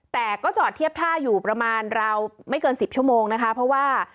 แต่ก็จอดเทียบท่าอยู่ประมาณราวไม่เกินสิบชั่วโมงนะคะเพราะว่า